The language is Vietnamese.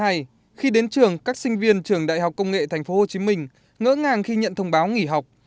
sáng ngày hai tháng một mươi hai khi đến trường các sinh viên trường đại học công nghệ tp hcm ngỡ ngàng khi nhận thông báo nghỉ học